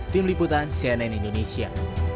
tim liputan cnn indonesia